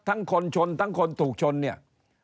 คนชนทั้งคนถูกชนเนี่ย